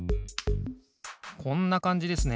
こんなかんじですね。